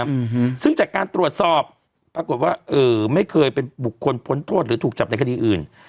อืมซึ่งจากการตรวจสอบปรากฏว่าเอ่อไม่เคยเป็นบุคคลพ้นโทษหรือถูกจับในคดีอื่น